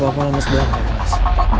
gapapa lemes banget ya mas